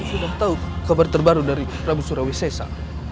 sudah tahu kabar terbaru dari nanda prabu surawi seja